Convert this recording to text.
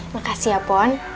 makasih ya pompon